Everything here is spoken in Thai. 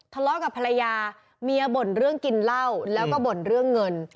ทะเลาะกับภรรยาเมียบ่นเรื่องกินเหล้าแล้วก็บ่นเรื่องเงิน